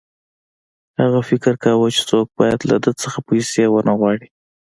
هغه فکر کاوه چې څوک باید له ده څخه پیسې ونه غواړي